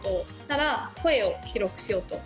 なら声を記録しようと。